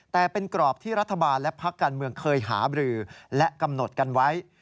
แต่เป็นกรอบที่รัฐบาลและพักการเมืองเคยหาบรือและกำหนดกันไว้